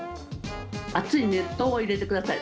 熱い熱湯を入れてください。